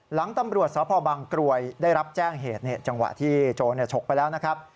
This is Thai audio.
หลังตำรวจสพบังกรวยได้รับแจ้งเหตุจังหวะที่โจรฉกไปแล้วนะครับ